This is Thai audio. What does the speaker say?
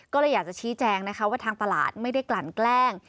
ก็เลยอยากจะชี้แจงนะคะว่าทางตลาดไม่ได้กลั่นแกล้ง